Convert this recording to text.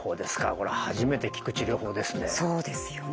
これは初めて聞く治療法ですね。